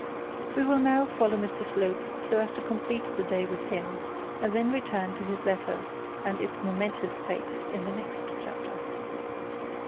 We will now follow Mr Slope so as to complete the day with him, and then return to his letter and its momentous fate in the next chapter.